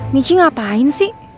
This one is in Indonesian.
nici ngapain sih